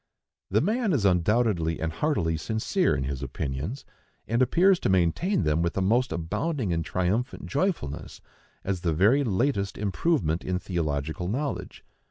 The man is undoubtedly and heartily sincere in his opinions, and appears to maintain them with a most abounding and triumphant joyfulness, as the very latest improvement in theological knowledge.